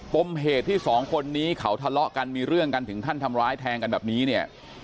ปมเหตุที่สองคนนี้เขาทะเลาะกันมีเรื่องกันถึงขั้นทำร้ายแทงกันแบบนี้เนี่ย